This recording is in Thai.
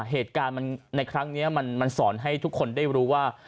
เหตุการณ์ในครั้งนี้มันสอนให้ทุกคนได้รู้ว่า